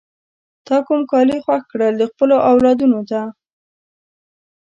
تا کوم کالی خوښ کړل خپلو اولادونو ته؟